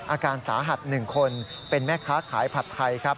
อาการสาหัส๑คนเป็นแม่ค้าขายผัดไทยครับ